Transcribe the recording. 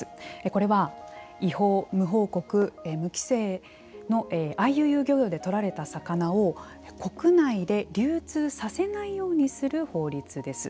これは、違法、無報告、無規制のＩＵＵ漁業で取られた魚を国内で流通させないようにする法律です。